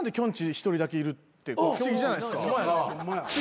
一人だけいるって不思議じゃないですか。